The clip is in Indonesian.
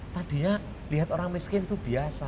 tadinya lihat orang miskin itu biasa